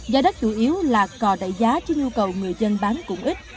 giá đất chủ yếu là cò đại giá với nhu cầu người dân bán cũng ít